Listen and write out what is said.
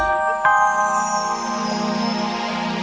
berita terkini mengenai cuaca lebat di indonesia